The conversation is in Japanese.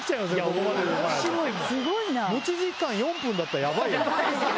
持ち時間４分だったらヤバイよね。